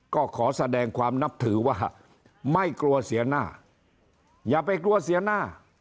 ก็ขอแสดงความนับถือว่าไม่กลัวเสียหน้าอย่าไปกลัวเสียหน้า